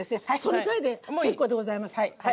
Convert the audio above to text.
そのくらいで結構でございますはい。